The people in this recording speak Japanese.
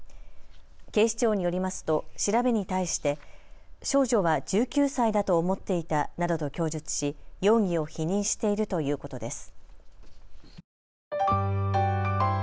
警視庁によりますと調べに対して少女は１９歳だと思っていたなどと供述し容疑を否認しているということです。